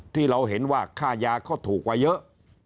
ที่เราเห็นว่าค่ายาก็ถูกกว่าเยอะ